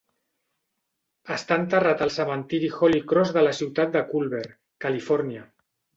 Està enterrat al cementiri Holy Cross de la ciutat de Culver, Califòrnia.